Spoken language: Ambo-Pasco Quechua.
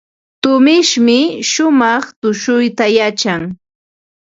Tumishmi shumaq tushuyta yachan.